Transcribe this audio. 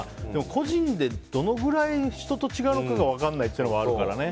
個人でどのくらい人と違うのか分からないのがあるからね。